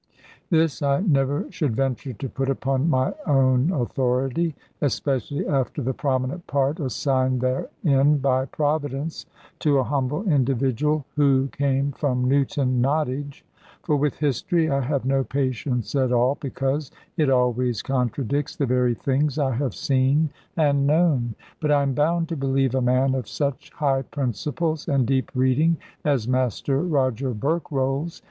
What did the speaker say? This I never should venture to put upon my own authority (especially after the prominent part assigned therein by Providence to a humble individual who came from Newton Nottage), for with history I have no patience at all, because it always contradicts the very things I have seen and known: but I am bound to believe a man of such high principles and deep reading as Master Roger Berkrolles.